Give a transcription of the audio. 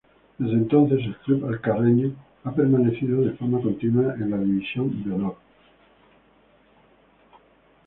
Desde entonces, el club alcarreño ha permanecido de forma continuada en División de Honor.